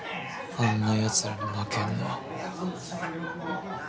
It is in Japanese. あんなやつらに負けんのは。